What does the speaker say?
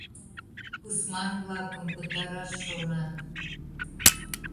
Пысман-влакым пытараш шонат.